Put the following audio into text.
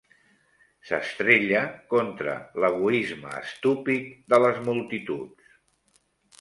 S'estrella contra l'egoisme estúpid de les multituds.